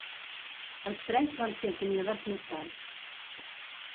Els tres van ser acomiadats més tard.